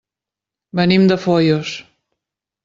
Venim de Foios.